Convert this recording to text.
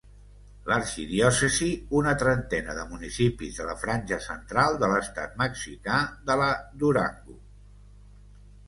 L'arxidiòcesi una trentena de municipis de la franja central de l'estat mexicà de la Durango.